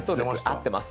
合ってます。